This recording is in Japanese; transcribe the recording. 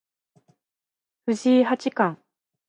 藤井八冠